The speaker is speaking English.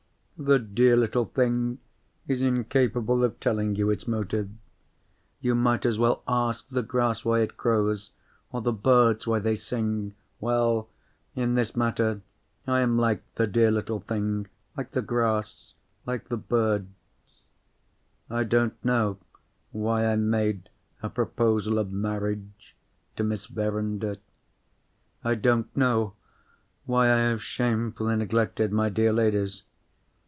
The dear little thing is incapable of telling you its motive. You might as well ask the grass why it grows, or the birds why they sing. Well! in this matter, I am like the dear little thing—like the grass—like the birds. I don't know why I made a proposal of marriage to Miss Verinder. I don't know why I have shamefully neglected my dear Ladies.